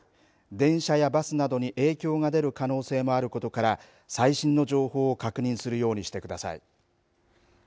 電車やバスなどに影響が出る可能性もあることから最新の情報を確認するようにしてください。